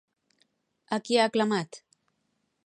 A qui ha aclamat?